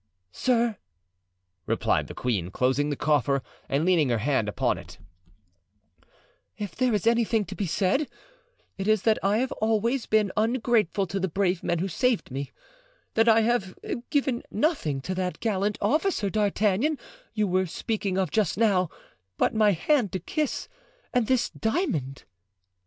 "Sir," replied the queen, closing the coffer and leaning her hand upon it, "if there is anything to be said, it is that I have always been ungrateful to the brave men who saved me—that I have given nothing to that gallant officer, D'Artagnan, you were speaking of just now, but my hand to kiss and this diamond."